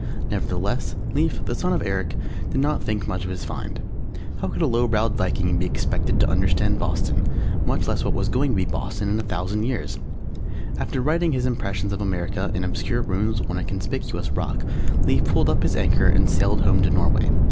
Nevertheless, Lief, the son of Eric, did not think much of his find. How could a lowbrowed viking be expected to understand Boston, much less what was going to be Boston in a thousand years! [Illustration: EARLY MAP OF THE WESTERN HEMISPHERE] After writing his Impressions of America in obscure Runes on a conspicuous rock, Lief pulled up his anchor and sailed home to Norway.